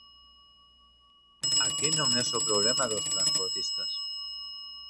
Aquí non é só problema dos transportistas.